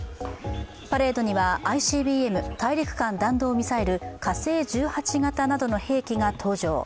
パレードにはＩＣＢＭ＝大陸間弾道ミサイル火星１８型などの兵器が登場。